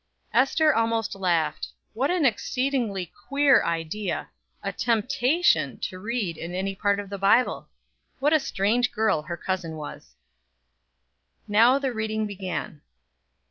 Ester almost laughed. What an exceedingly queer idea a temptation to read in any part of the Bible. What a strange girl her cousin was. Now the reading began.